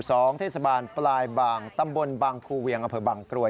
เทศบาลปลายบางตำบลบางภูเวียงอำเภอบางกรวย